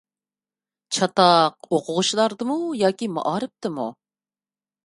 چاتاق ئوقۇغۇچىلاردىمۇ ياكى مائارىپتىمۇ؟